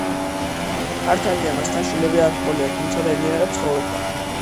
მართალია მასთან შვილები არ ჰყოლია, თუმცა ბედნიერად ცხოვრობდა.